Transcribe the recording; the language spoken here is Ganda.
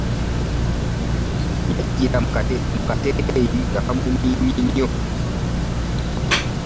Yajjira mu kateeteeyi nga kamumiimye nnyo.